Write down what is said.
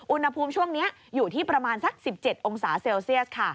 อุณหภูมิช่วงนี้อยู่ที่ประมาณสัก๑๗องศาเซลเซียสค่ะ